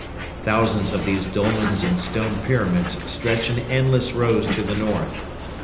Thousands of these dolmens and stone pyramids stretch in endless rows to the north.